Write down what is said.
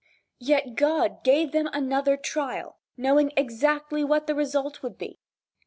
Yet God gave them another trial, knowing exactly what the result would be.